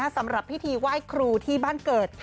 สำหรับพิธีไหว้ครูที่บ้านเกิด